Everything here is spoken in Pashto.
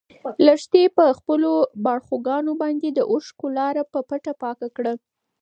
لښتې په خپلو باړخوګانو باندې د اوښکو لاره په پټه پاکه کړه.